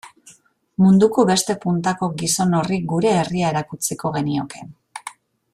Munduko beste puntako gizon horri gure herria erakutsiko genioke.